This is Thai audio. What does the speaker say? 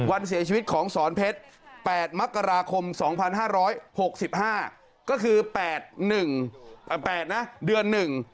วันเสียชีวิตของศรเพชร๘มักราคม๒๕๖๕ก็คือ๘๑อ่ะ๘นะเดือน๑๒๕๖๕